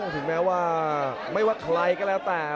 ถึงแม้ว่าไม่ว่าใครก็แล้วแต่